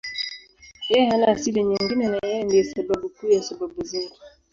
Yeye hana asili nyingine na Yeye ndiye sababu kuu ya sababu zote.